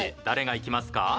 誰がいきますか？